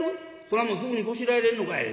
そんなもんすぐにこしらえれんのかい？」。